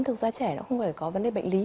thực ra trẻ nó không phải có vấn đề bệnh lý